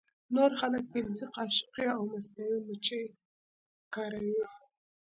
نور خلک فلزي قاشقې او مصنوعي مچۍ کاروي